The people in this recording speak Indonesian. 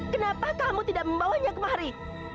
kenapa kamu tidak membawanya kemari